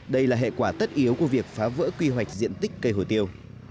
đây là hệ quả tất yếu của việc phá vỡ quy hoạch diện tích cây hồ tiêu